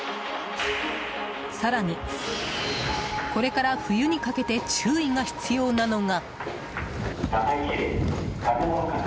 更に、これから冬にかけて注意が必要なのが。